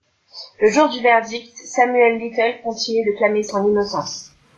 Le jour du verdict, Samuel Little continue de clamer son innocence.